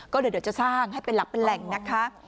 เดี๋ยวจะสร้างให้เป็นหลักเป็นแหล่งนะคะ